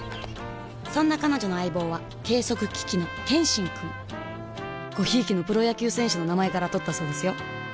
そんな彼女の相棒は計測機器の「ケンシン」くんご贔屓のプロ野球選手の名前からとったそうですよ